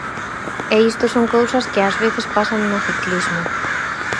E isto son cousas que ás veces pasan no ciclismo.